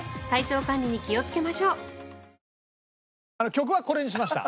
曲はこれにしました。